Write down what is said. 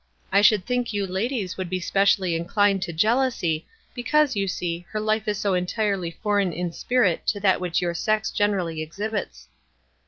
I should think you ladies would be specially inclined to jealousy, because, you see, her life is so entire ly foreign in spirit to that which your sex gen erally exhibits."